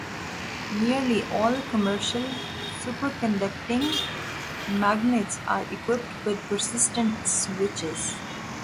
Nearly all commercial superconducting magnets are equipped with persistent switches.